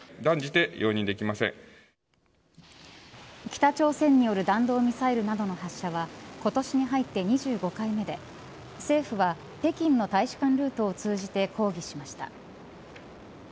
北朝鮮による弾道ミサイルなどの発射は今年に入って２５回目で政府は北京の大使館ルートを通じて抗議しました。